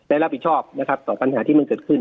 และรับผิดชอบต่อปัญหาที่เกิดขึ้น